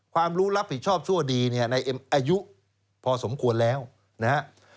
ความรู้รับผิดชอบชั่วดีเนี่ยในเอ็มอายุพอสมควรแล้วนะฮะ